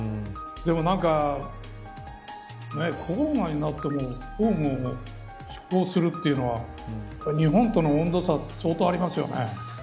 でもコロナになって公務を執行するというのは日本との温度差が相当ありますよね。